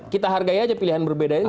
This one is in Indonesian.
kita hargai aja pilihan berbeda ini